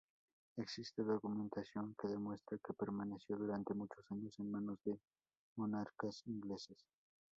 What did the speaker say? Existe documentación que demuestra que permaneció durante muchos años en manos de monarcas ingleses.